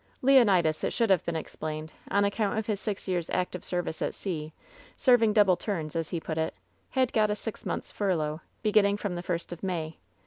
Leonidas, it should have been explained, on account of his six years active service at sea — serving double turns, as he put it — ^had got a six months furlough, be ginning from the first of May.